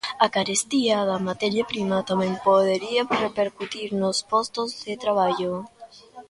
A carestía da materia prima tamén podería repercutir nos postos de traballo.